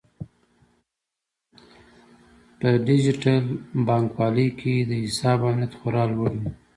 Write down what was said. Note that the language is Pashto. په ډیجیټل بانکوالۍ کې د حساب امنیت خورا لوړ وي.